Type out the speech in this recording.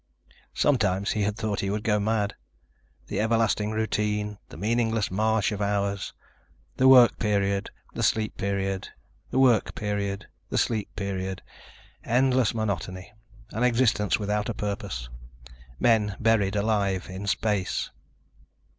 Sometimes he had thought he would go mad. The everlasting routine, the meaningless march of hours. The work period, the sleep period ... the work period, the sleep period ... endless monotony, an existence without a purpose. Men buried alive in space.